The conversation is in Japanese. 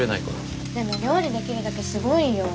でも料理できるだけすごいよ。